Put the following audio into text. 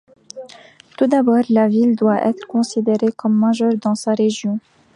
Tout d'abord, la ville doit être considérée comme majeure dans sa région.